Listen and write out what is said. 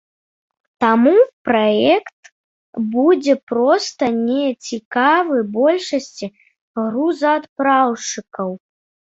Таму праект будзе проста не цікавы большасці грузаадпраўшчыкаў.